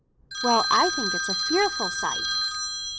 "Well, I think it's a fearful sight.